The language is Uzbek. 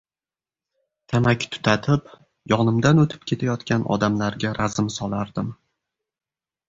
tamaki tutatib, yonimdan o‘tib ketayotgan odamlarga razm solardim.